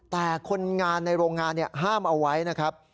แต่คนงานในโรงงานห้ามเอาไว้นะครับ